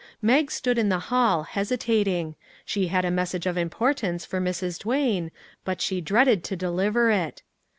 Mag stood in the hall, hesitating; she had a message of importance for Mrs. Duane, but she dreaded to deliver it.